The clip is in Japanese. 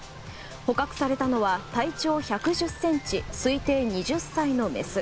捕獲されたのは体長１１０ｃｍ推定２０歳のメス。